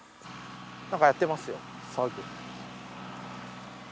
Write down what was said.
なんかやってますよ作業。